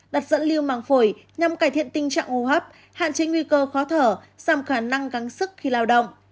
đặt dẫn lưu mảng phổi nhằm cải thiện tình trạng hô hấp hạn chế nguy cơ khó thở giảm khả năng gắng sức khi lao động